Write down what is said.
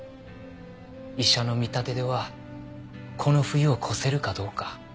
医者の見立てではこの冬を越せるかどうか。